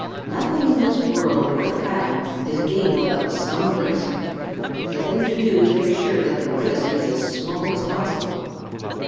Nothing in this world worth having is gained without some risk. The thing to do is to make sure that the risk is as small as possible."